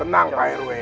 tenang pak rw